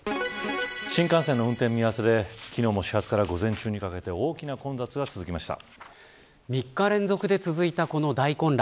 新幹線の運転見合わせで、昨日も始発から午前中にかけて３日連続でこの大混乱